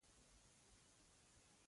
په همدې نامه تطبیق شوي دي.